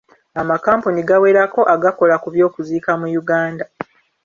Amakampuni gawerako agakola ku by'okuziika mu Uganda.